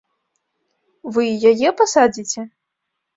Вы і яе пасадзіце?